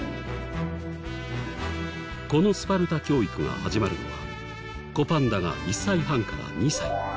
このスパルタ教育が始まるのは子パンダが１歳半から２歳。